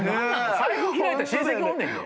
財布開いたら親戚おんねんで。